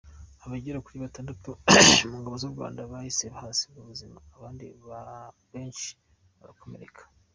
Abagera kuri batandatu mu ngabo z’u Rwanda bahise bahasiga ubuzima, abandi benshi barakomereka.